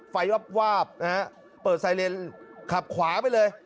ไฟวาบนะครับเปิดไซเรนขับขวาไปเลย